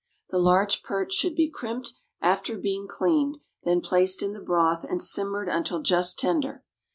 The large perch should be crimped, after being cleaned, then placed in the broth and simmered until just tender.